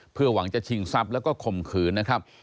เพื่อหวังจะชิงทรัพย์แล้วก็ข่มขืนนะครับ